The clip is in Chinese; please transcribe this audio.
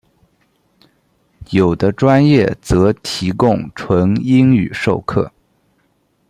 有的专业则提供纯英语授课。